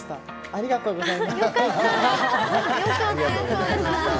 ありがとうございます！